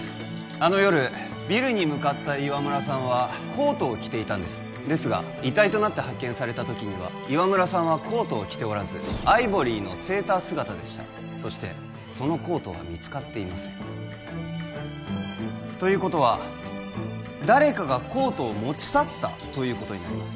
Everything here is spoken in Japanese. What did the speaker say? あの夜ビルに向かった岩村さんはコートを着ていたんですですが遺体となって発見されたときには岩村さんはコートを着ておらずアイボリーのセーター姿でしたそしてそのコートは見つかっていませんということは誰かがコートを持ち去ったということになります